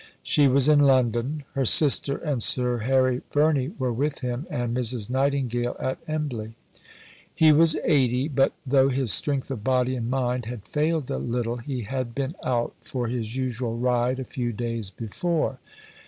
She was in London; her sister and Sir Harry Verney were with him and Mrs. Nightingale at Embley. He was 80; but, though his strength of body and mind had failed a little, he had been out for his usual ride a few days before.